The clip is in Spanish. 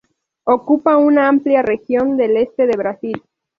Ocupa una amplia región del este de Brasil.